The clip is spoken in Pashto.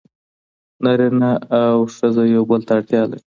نارینه او ښځه یو بل ته اړتیا لري.